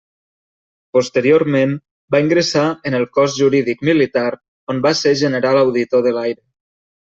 Posteriorment va ingressar en el Cos Jurídic Militar, on va ser General Auditor de l'Aire.